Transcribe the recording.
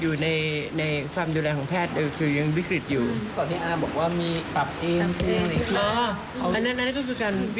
มันไม่มีแบบแบบแบบค่อยโดดข็ดเท้าอะไรแบบนี้ใช่ไหมครับ